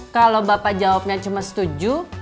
kalau bapak jawabnya cuma setuju